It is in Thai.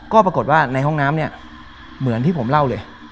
ก็ปรากฏว่าในห้องน้ำเนี่ยเหมือนที่ผมเล่าเลย